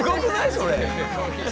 それ。